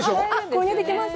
購入できます。